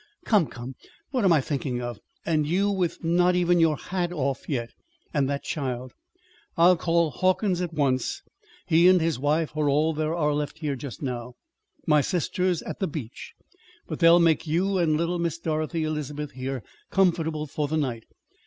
Come, come, what am I thinking of? and you with not even your hat off yet! And that child! I'll call Hawkins at once. He and his wife are all there are left here, just now, my sister's at the beach. But they'll make you and little Miss Dorothy Elizabeth here comfortable for the night.